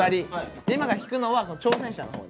じゃあ今から引くのは挑戦者のほう。